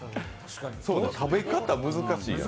食べ方、難しいよね。